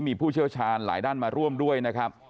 มีผู้เชี่ยวชาญหลายด้านมาร่วมด้วยนะครับ